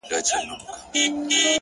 ژوند مي هيڅ نه دى ژوند څه كـړم؛